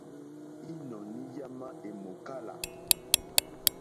Ínɔ̀ní já má èmòkála.